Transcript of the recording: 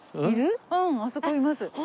うんあそこいます。